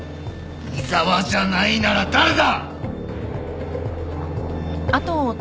井沢じゃないなら誰だ！